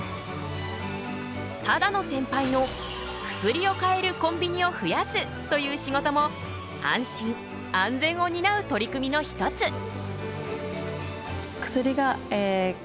只野センパイの薬を買えるコンビニを増やすという仕事も安心安全を担う取り組みの一つ。